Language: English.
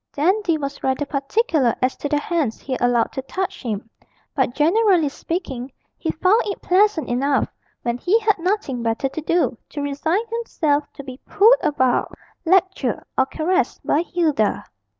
Dandy was rather particular as to the hands he allowed to touch him, but generally speaking, he found it pleasant enough (when he had nothing better to do) to resign himself to be pulled about, lectured, or caressed by Hilda.